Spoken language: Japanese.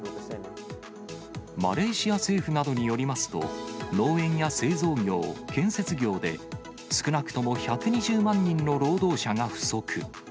マレーシア政府などによりますと、農園や製造業、建設業で、少なくとも１２０万人の労働者が不足。